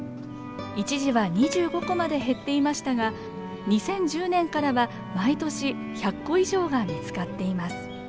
一時は２５個まで減っていましたが２０１０年からは毎年１００個以上が見つかっています。